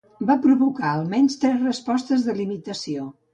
Va provocar al menys tres respostes de limitació.